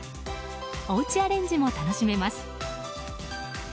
おうちアレンジも楽しめます。